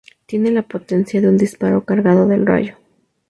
Tiene la potencia de un disparo cargado del Rayo.